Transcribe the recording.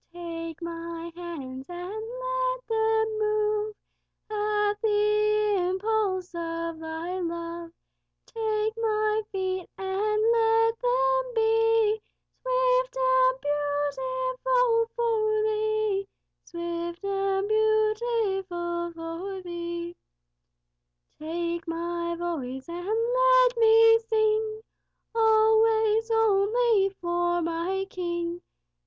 Take my hands, and let them move At the impulse of Thy love. Take my feet, and let them be Swift and 'beautiful' for Thee. Take my voice, and let me sing Always, only, for my King.